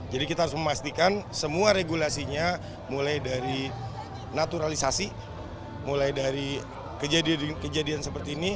jadi kita harus memastikan semua regulasinya mulai dari naturalisasi mulai dari kejadian seperti ini